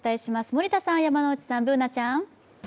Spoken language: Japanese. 森田さん、山内さん、Ｂｏｏｎａちゃん。